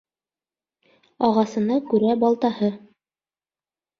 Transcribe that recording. Ағасына күрә балтаһы.